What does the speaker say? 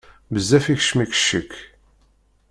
Bezzaf ikeččem-ik ccekk.